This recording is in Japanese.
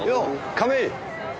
亀井。